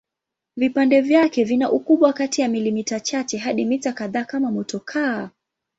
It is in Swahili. Vipande vyake vina ukubwa kati ya milimita chache hadi mita kadhaa kama motokaa.